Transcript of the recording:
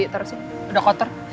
taro sudah kotor